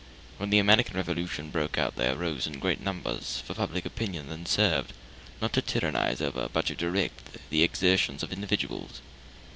When the American Revolution broke out they arose in great numbers, for public opinion then served, not to tyrannize over, but to direct the exertions of individuals.